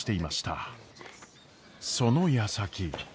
そのやさき。